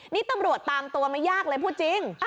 นี่ตำรวจตามตัวไม่ยากเลยพูดจริง